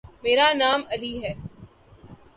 میرا نام علی ہے۔